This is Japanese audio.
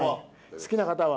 好きな方は。